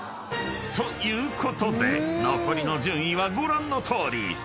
ということで残りの順位はご覧のとおり］